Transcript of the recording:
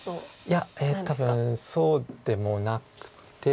いや多分そうでもなくて。